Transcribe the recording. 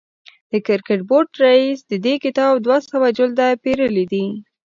د کرکټ بورډ رئیس د دې کتاب دوه سوه جلده پېرلي دي.